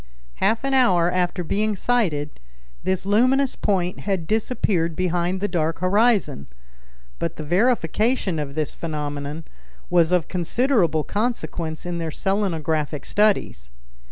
Half an hour after being sighted, this luminous point had disappeared behind the dark horizon; but the verification of this phenomenon was of considerable consequence in their selenographic studies.